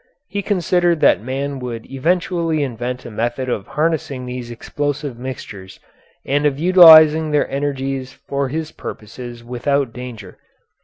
He considered that man would eventually invent a method of harnessing these explosive mixtures, and of utilizing their energies for his purposes without danger.